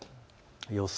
予想